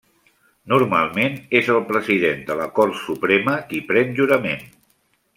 Normalment és el president de la Cort Suprema qui pren jurament.